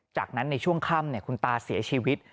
จากนั้นในช่วงค่ำคุณตาเสียชีวิต